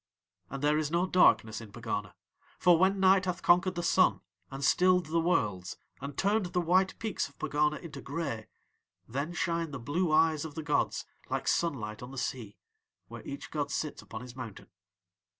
"'And there is no darkness in Pegana, for when night hath conquered the sun and stilled the Worlds and turned the white peaks of Pegana into grey then shine the blue eyes of the gods like sunlight on the sea, where each god sits upon his mountain.